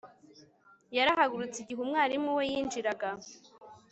Yarahagurutse igihe umwarimu we yinjiraga